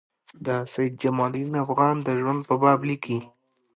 د سید جمال الدین افغاني د ژوند په باب لیکي.